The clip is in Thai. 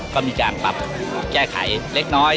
ก็มีการปรับแก้ไขเล็กน้อย